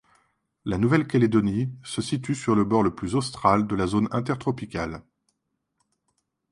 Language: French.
La Nouvelle-Calédonie se situe sur le bord le plus austral de la zone inter-tropicale.